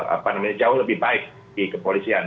apa namanya jauh lebih baik di kepolisian